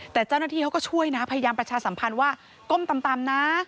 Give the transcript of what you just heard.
แต่เจ้าหน้าที่เขาก็ช่วยนะพยายามประชาสัมพันธ์ว่าก้มตำนะ